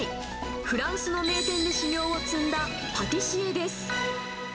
フランスの名店で修業を積んだパティシエです。